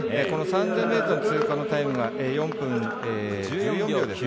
この３０００ｍの通過のタイムが４分１４秒９５。